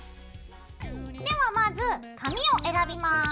ではまず紙を選びます。